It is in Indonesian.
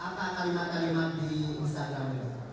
apa kalimat kalimat di instagram itu